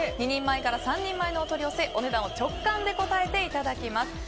２人前から３人前のお取り寄せお値段を直感で答えてもらいます。